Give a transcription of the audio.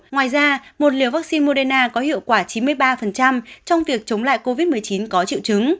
ngoài ra một liều vaccine moderna có hiệu quả chín mươi ba trong việc chống lại covid một mươi chín có triệu chứng